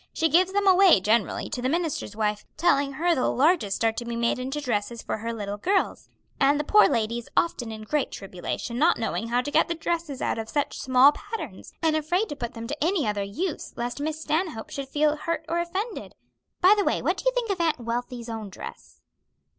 She gives them away, generally, to the minister's wife, telling her the largest are to be made into dresses for her little girls; and the poor lady is often in great tribulation, not knowing how to get the dresses out of such small patterns, and afraid to put them to any other use, lest Miss Stanhope should feel hurt or offended. By the way, what do you think of Aunt Wealthy's own dress?"